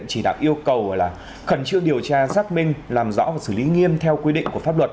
chỉ đặt yêu cầu là khẩn trương điều tra giác minh làm rõ và xử lý nghiêm theo quy định của pháp luật